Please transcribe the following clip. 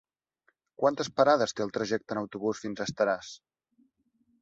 Quantes parades té el trajecte en autobús fins a Estaràs?